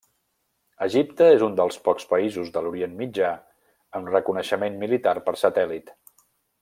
Egipte és un dels pocs països de l'Orient Mitjà amb reconeixement militar per satèl·lit.